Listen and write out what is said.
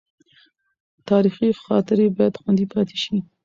تاریخي خاطرې باید خوندي پاتې شي.